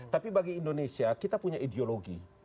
tapi bagi indonesia kita punya ideologi